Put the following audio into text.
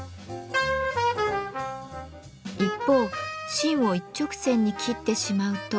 一方芯を一直線に切ってしまうと。